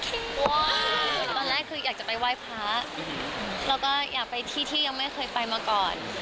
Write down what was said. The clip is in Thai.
ตอนแรกคืออยากจะไปไหว้พระแล้วก็อยากไปที่ที่ยังไม่เคยไปมาก่อน